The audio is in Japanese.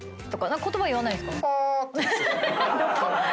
言葉言わないんすか？